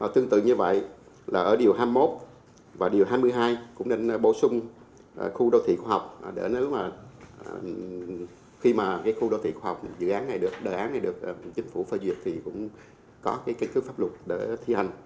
tương tự như vậy là ở điều hai mươi một và điều hai mươi hai cũng nên bổ sung khu đô thị khoa học để nếu mà khi mà cái khu đô thị khoa học dự án này được đề án này được chính phủ phơ duyệt thì cũng có cái kích thước pháp luật để thi hành